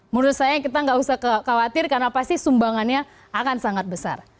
menurut saya kita nggak usah khawatir karena pasti sumbangannya akan sangat besar